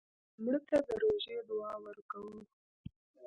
مړه ته د روژې دعا ورکوو